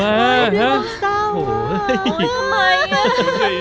ไม่ไม่ต้องเศร้า